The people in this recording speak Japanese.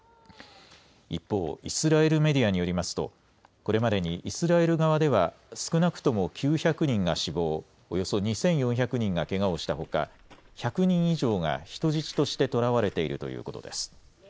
一方、イスラエルメディアによりますとこれまでにイスラエル側では少なくとも９００人が死亡、およそ２４００人がけがをしたほか１００人以上が人質として捕らわれているということです。